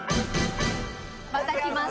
また来ます。